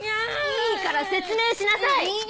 いいから説明しなさい！